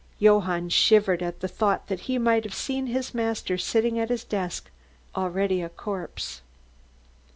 Johann shivered at the thought that he might have seen his master sitting at his desk, already a corpse.